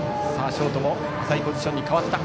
ショートも浅いポジションに変わった。